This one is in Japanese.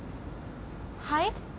はい？